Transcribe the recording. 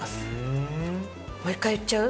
もう一回言っちゃう？